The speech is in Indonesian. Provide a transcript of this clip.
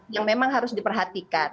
yang memang harus diperhatikan